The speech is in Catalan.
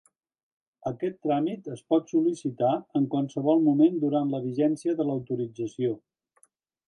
Aquest tràmit es pot sol·licitar en qualsevol moment durant la vigència de l'autorització.